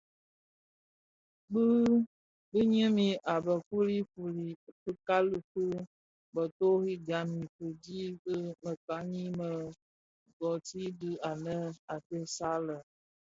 Bi nyinim a be fuli fuli, fikali fi boterri gam fi dhi bi mekani me guthrie dho anë a dhesag lè.